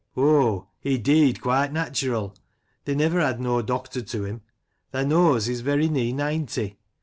" Oh, he dee'd quite natural ; they never had no doctor to him. Thae knows, he's very nee ninety.